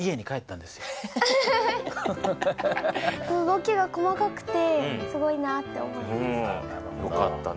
動きが細かくてすごいなって思いました。